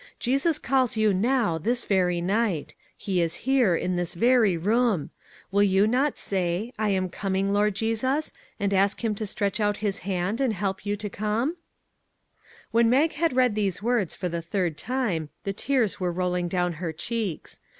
Jesus calls you now, this very night. He is here, in this very room. Will you not say, ' I am coming, Lord Jesus,' and ask him to stretch out his hand and help you to come? " 45 MAG AND MARGARET When Mag had read these words for the third time the tears were rolling down her cheeks.